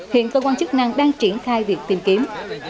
hiện cơ quan chức năng đang triển khai việc tìm kiếm